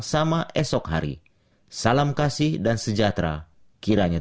sampai jumpa di video selanjutnya